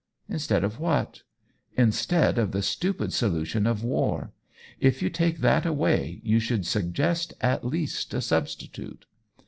" Instead of what ?" "Instead of the stupid solution of war. If you take that away, you should suggest at least a substitute."